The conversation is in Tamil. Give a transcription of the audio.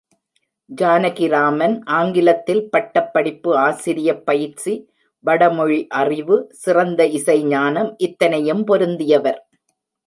ஜானகிராமன் ஆங்கிலத்தில் பட்டப்படிப்பு, ஆசிரியப்பயிற்சி, வடமொழி அறிவு, சிறந்த இசைஞானம், இத்தனையும் பொருந்தியவர்.